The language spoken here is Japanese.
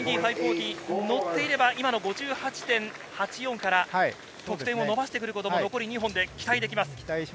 最後のインディ５４０、乗っていれば今の５８．８４から得点を伸ばしてくることも残り２本で期待できます。